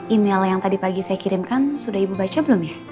email yang tadi pagi saya kirimkan sudah ibu baca belum ya